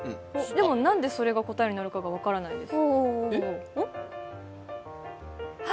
でもなんでそれが答えになるか分からないです。